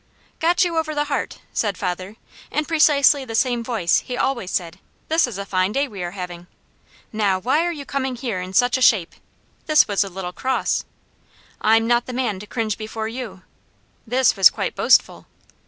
"Got you over the heart," said father, in precisely the same voice he always said, "This is a fine day we are having." "Now why are you coming here in such a shape?" This was a little cross. "I'm not the man to cringe before you!" This was quite boastful.